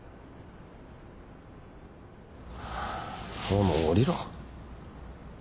お前もう降りろ。